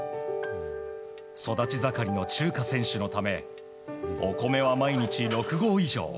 育ち盛りのチューカ選手のためお米は毎日６合以上。